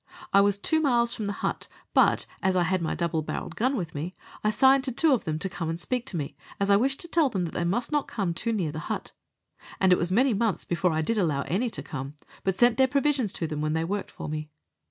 I was two miles from the hut, but, as I had my double barrelled gun with me, I signed to two of them to come and speak to me, as I wished to tell them they must not come too near the hut; and it was many mouths before I did allow any to come, but sent their provisions to them when they worked for me.